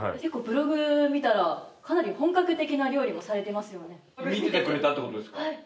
ブログ見たらかなり本格的な料理もされてますよね。